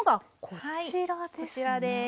こちらです。